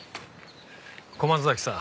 小松崎さん。